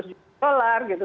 delapan ratus juta dolar gitu